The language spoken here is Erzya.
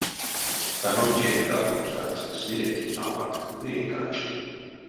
Станонтень кадновсть ансяк сыреть, ават ды эйкакшт.